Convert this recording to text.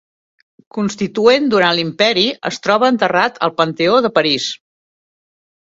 Constituent durant l'Imperi, es troba enterrat al Panteó de París.